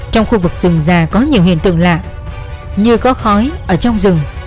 trong khu vực rừng già có nhiều hiện tượng lạ như có khói ở trong rừng